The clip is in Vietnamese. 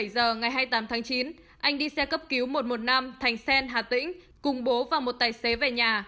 bảy giờ ngày hai mươi tám tháng chín anh đi xe cấp cứu một trăm một mươi năm thành sen hà tĩnh cùng bố và một tài xế về nhà